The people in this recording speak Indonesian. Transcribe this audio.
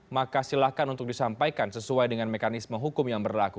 maka silahkan untuk disampaikan sesuai dengan mekanisme hukum yang berlaku